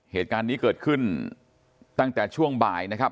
เหตุการณ์นี้เกิดขึ้นตั้งแต่ช่วงบ่ายนะครับ